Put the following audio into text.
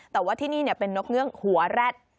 แต่ว่าที่นี่เป็นนกเงือกหัวแร็ด